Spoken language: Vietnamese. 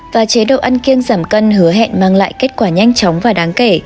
và chế độ ăn kiêng giảm cân hứa hẹn mang lại kết quả nhanh chóng và đáng kể